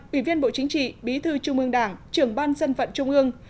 ủy viên bộ chính trị bí thư trung ương đảng trưởng ban dân vận trung ương